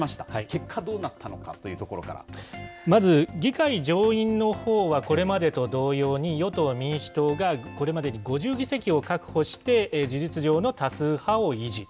結果、どうなったのかというとこまず議会上院のほうは、これまでと同様に、与党・民主党がこれまでに５０議席を確保して、事実上の多数派を維持。